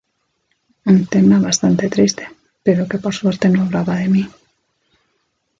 Un tema bastante triste, pero que por suerte no hablaba de mí.